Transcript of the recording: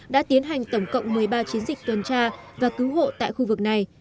đã tiến hành tổng cộng một mươi ba chiến dịch tuần tra và cứu hộ tại khu vực này